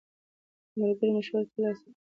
د ملګرو مشوره ترلاسه کړئ.